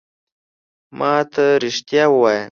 ما ته رېښتیا ووایه !